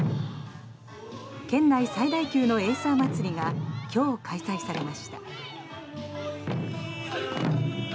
県内最大級のエイサーまつりが今日、開催されました。